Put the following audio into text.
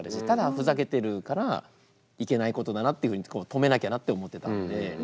ただふざけてるからいけないことだなっていうふうに止めなきゃなって思ってたんで。